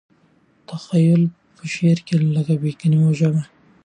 تخیل په شعر کې لکه بې کلیمو ژبه دی.